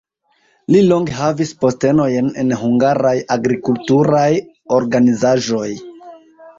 Li longe havis postenojn en hungaraj agrikulturaj organizaĵoj.